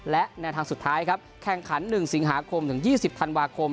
และแนวทางสุดท้ายครับแข่งขัน๑สิงหาคมถึง๒๐ธันวาคม